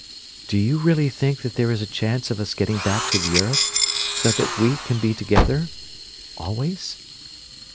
"Do you really think that there is a chance of us getting back to the earth, so that we can be together ... always?"